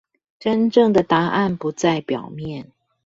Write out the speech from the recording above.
真正的答案不在表面